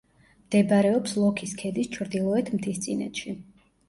მდებარეობს ლოქის ქედის ჩრდილოეთ მთისწინეთში.